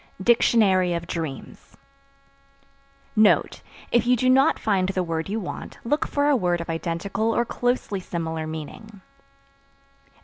DICTIONARY OF DREAMS. (Note. If you do not find the word you want, look for a word of identical or closely similar meaning.)